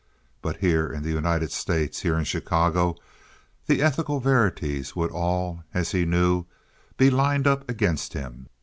But here in the United States, here in Chicago, the ethical verities would all, as he knew, be lined up against him.